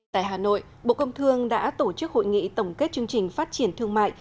tại hà nội bộ công thương đã tổ chức hội nghị tổng kết chương trình phát triển thương mại